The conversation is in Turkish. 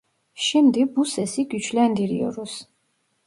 Şimdi bu sesi güçlendiriyoruz.